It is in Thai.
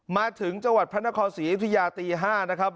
มาถึงจังหวัดพระนครศรีอยุธยาตี๕นะครับ